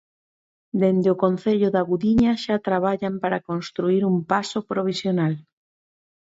Dende o Concello da Gudiña xa traballan para construír un paso provisional.